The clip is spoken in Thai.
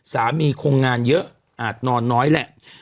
สามีคงงานเยอะอาจนอนน้อยแหละ